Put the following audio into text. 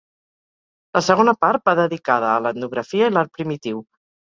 La segona part va dedicada a l’etnografia i l’art primitiu.